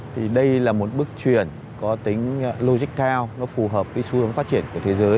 thì đây là một bước chuyển có tính logic cao nó phù hợp với xu hướng phát triển của đại học việt nam